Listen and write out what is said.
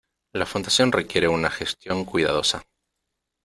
La fundación requiere una gestión cuidadosa.